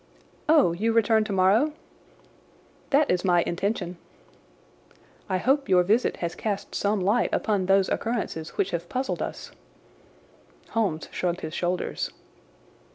"Oh, you return tomorrow?" "That is my intention." "I hope your visit has cast some light upon those occurrences which have puzzled us?" Holmes shrugged his shoulders.